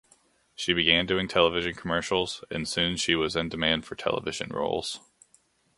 She began doing television commercials, and soon she was in demand for television roles.